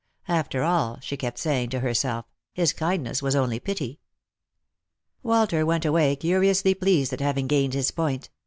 After all, she kept saying to herself, his kindness was only pity. Walter went away curiously pleased at having gained his point.